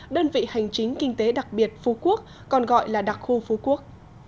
đơn vị hành chính kinh tế đặc biệt phú quốc còn gọi là đặc khu phú quốc